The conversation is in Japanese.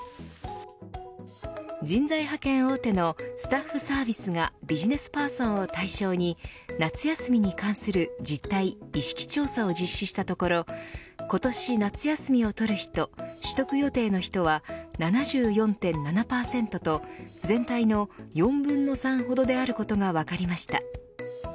人材派遣大手のスタッフサービスがビジネスパーソンを対象に夏休みに関する実態意識調査を実施したところ今年夏休みを取る人取得予定の人は、７４．７％と全体の４分の３ほどであることが分かりました。